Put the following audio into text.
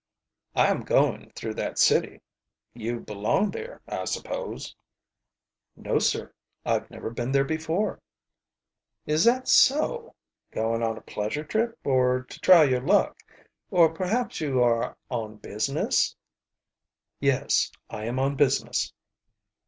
"I am going through that city. You belong there, I suppose?" "No, sir, I've never been there before." "Is that so. Going on a pleasure trip, or to try your luck? Or perhaps you are on business?" "Yes, I am on business."